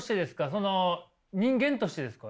その人間としてですか？